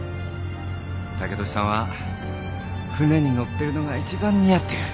剛利さんは船に乗ってるのがいちばん似合ってる。